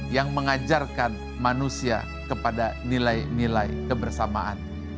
yang mengajarkan manusia kepada nilai nilai kebersamaan